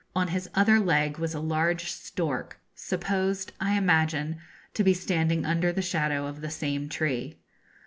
On his other leg was a large stork, supposed, I imagine, to be standing under the shadow of the same tree.